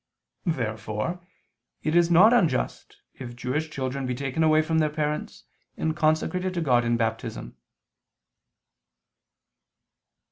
Therefore it is not unjust if Jewish children be taken away from their parents, and consecrated to God in Baptism.